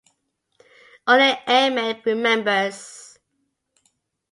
Only Airmed remembers.